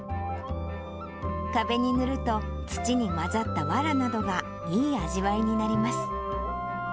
壁に塗ると、土に混ざったわらなどが、いい味わいになります。